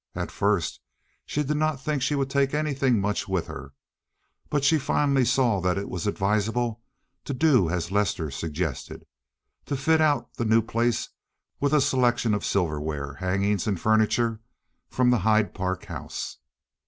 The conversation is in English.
At first, she did not think she would take anything much with her, but she finally saw that it was advisable to do as Lester suggested—to fit out the new place with a selection of silverware, hangings, and furniture from the Hyde Park house.